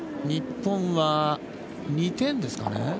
日本は２点ですかね。